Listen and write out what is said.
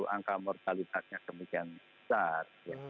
angka mortalitasnya kemungkinan besar